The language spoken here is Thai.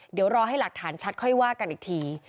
เดี๋ยวรอให้หลักฐานชัดค่อยว่ากันอีกที